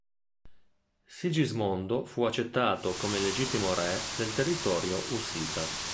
Sigismondo fu accettato come legittimo re del territorio ussita.